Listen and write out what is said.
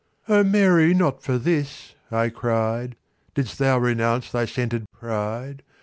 '" "O Mary, not for this," I cried, "Didst thou renounce thy scented pride.